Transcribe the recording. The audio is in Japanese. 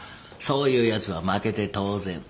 そういうやつは負けて当然。